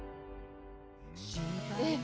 えっ？